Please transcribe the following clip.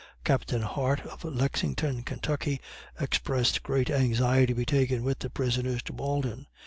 Captain Hart, of Lexington, Kentucky, expressed great anxiety to be taken with the prisoners to Malden.